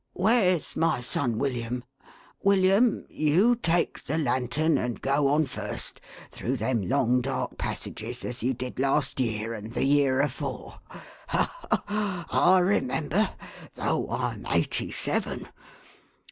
Where's my son William ? William, you take the lantern and go on first, through them long dark passages, as you did last year HIS DREAD COMPANION. 435 and the year afore. Ha, ha! / remember— though Tm eighty seven